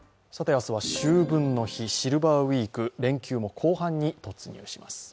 明日は秋分の日、シルバーウイーク連休も後半に突入します。